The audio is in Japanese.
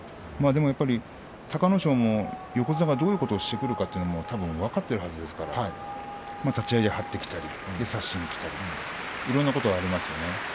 でもやっぱり隆の勝も横綱がどういうことをしてくるのかたぶん分かってるはずですから立ち合いで張ってきたり差しにきたりいろんなことがありますね。